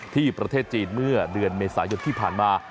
ประเทศจีนเมื่อเดือนเมษายนที่ผ่านมา